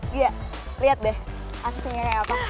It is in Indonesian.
dia liat deh aksinya kayak apa